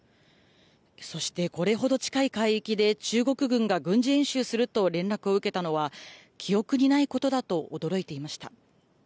そして、これほど近い海域で中国軍が軍事演習すると連絡を受けたのは、記憶にないことだと驚いていました。